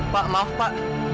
pak maaf pak